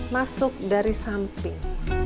masuk dari samping